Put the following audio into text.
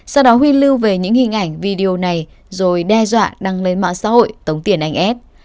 sau đó huy lưu về những hình ảnh video này rồi đe dọa đăng lên mạng xã hội tống tiền anh s